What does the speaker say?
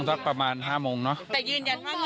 สักประมาณ๕โมงเนาะ